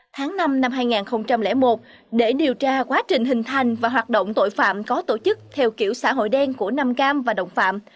tháng năm năm hai nghìn một để điều tra quá trình hình thành và hoạt động tội phạm có tổ chức theo kiểu xã hội đen của nam cam và đồng phạm